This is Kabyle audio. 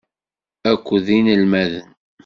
Akked yinelmaden.